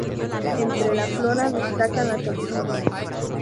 Entre la flora, destacan las orquídeas.